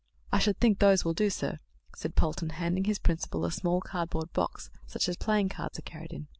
"I should think those will do, sir," said Polton, handing his principal a small cardboard box such as playing cards are carried in.